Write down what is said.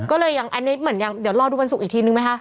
ก็เลยอย่างอันนี้เหมือนอย่างเดี๋ยวรอดูวันศุกร์อีกทีนึงไหมคะ